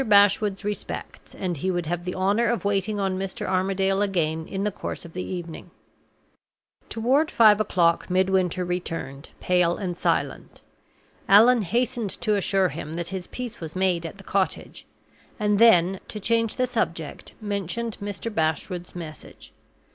Bashwood's respects, and he would have the honor of waiting on Mr. Armadale again in the course of the evening." Toward five o'clock, Midwinter returned, pale and silent. Allan hastened to assure him that his peace was made at the cottage; and then, to change the subject, mentioned Mr. Bashwood's message.